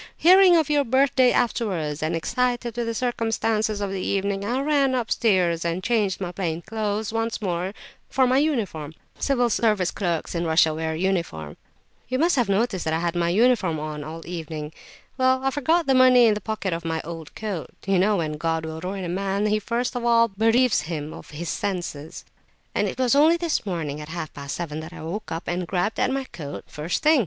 Hearing of your birthday afterwards, and excited with the circumstances of the evening, I ran upstairs and changed my plain clothes once more for my uniform [Civil Service clerks in Russia wear uniform.]—you must have noticed I had my uniform on all the evening? Well, I forgot the money in the pocket of my old coat—you know when God will ruin a man he first of all bereaves him of his senses—and it was only this morning at half past seven that I woke up and grabbed at my coat pocket, first thing.